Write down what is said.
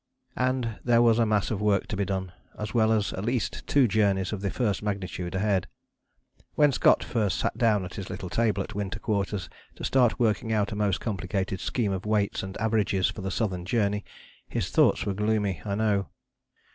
And there was a mass of work to be done, as well as at least two journeys of the first magnitude ahead. When Scott first sat down at his little table at Winter Quarters to start working out a most complicated scheme of weights and averages for the Southern Journey, his thoughts were gloomy, I know.